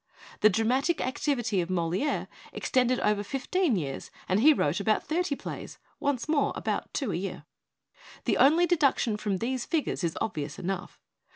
The dramatic activity of Moliere extended over fifteen years, and he wrote about thirty plays once more about two a year. The only deduction from these figures is obvious enough.